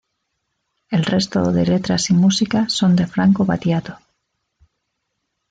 El resto de letras y música son de Franco Battiato.